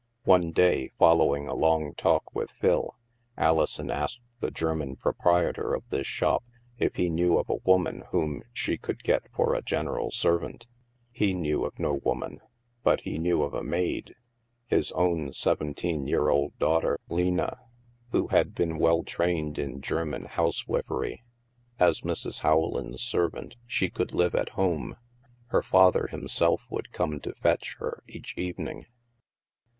One day, following a long talk with Phil, Alison asked the German proprietor of this shop if he knew of a woman whom she could get for a general servant. He knew of no woman, but he knew of a maid — his own seventeen year old daughter, Lena — who had been well trained in THE MAELSTROM 243 German house wifery. As Mrs. Howland's . serv ant she could live at home. Her father himself would come to fetch her each evening.